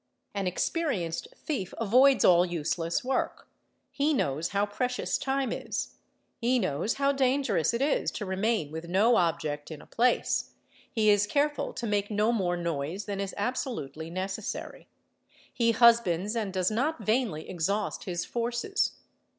An experienced —" ee ee! 2 eee te ee ee ee ae eve enna ey a = thief avoids all useless work; he knows how precious time is, he knows how dangerous it is to remain with no object in a place, he is careful to make no more noise than is absolutely necessary, he husbands and 'does not vainly exhaust his forces.